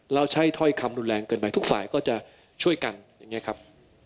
เราใช้ถ้อยคำรุนแรงเกินไปทุกฝ่ายก็จะช่วยกันอย่างนี้ครับ